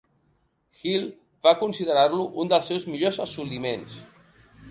Hill va considerar-lo un dels seus millors assoliments.